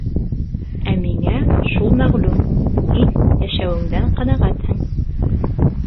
Ә миңә шул мәғлүм: һин йәшәүеңдән ҡәнәғәтһең.